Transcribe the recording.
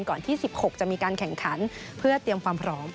ที่๑๖จะมีการแข่งขันเพื่อเตรียมความพร้อม